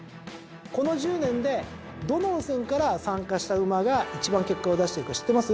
この１０年でどの路線から参加した馬が一番結果を出してるか知ってます？